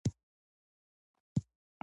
اقتصاد د پانګې او کار ځواک اغیزه اندازه کوي.